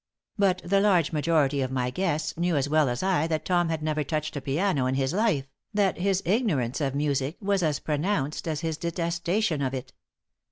But the large majority of my guests knew as well as I that Tom had never touched a piano in his life, that his ignorance of music was as pronounced as his detestation of it.